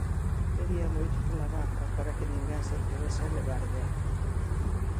Pedía moito pola vaca para que ninguén se atrevese a levarlla.